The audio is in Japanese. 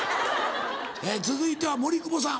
続いては森久保さん。